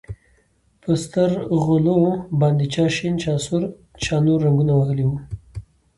په سترغلو باندې چا شين چا سور چا نور رنګونه وهلي وو.